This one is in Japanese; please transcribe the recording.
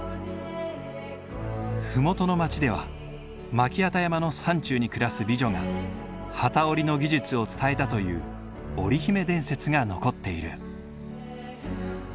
麓の町では巻機山の山中に暮らす美女が機織りの技術を伝えたという織り姫伝説が残っている。